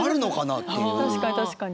確かに確かに。